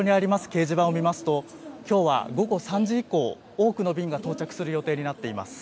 掲示板を見ますと、きょうは午後３時以降、多くの便が到着する予定になっています。